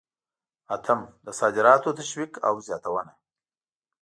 اتم: د صادراتو تشویق او زیاتونه.